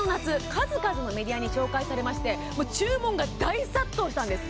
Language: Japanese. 数々のメディアに紹介されまして注文が大殺到したんです